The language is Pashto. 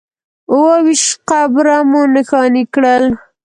اووه ویشت قبره مو نښانې کړل.